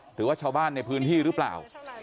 หรือว่าชาวบ้านในพื้นที่หรือเปล่า